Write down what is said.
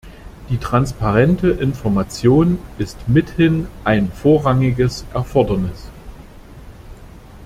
Die transparente Information ist mithin ein vorrangiges Erfordernis.